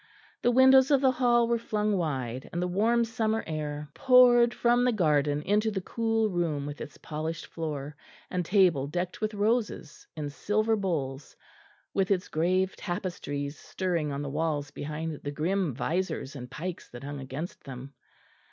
The windows of the hall were flung wide, and the warm summer air poured from the garden into the cool room with its polished floor, and table decked with roses in silver bowls, with its grave tapestries stirring on the walls behind the grim visors and pikes that hung against them.